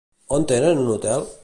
On tenen un hotel?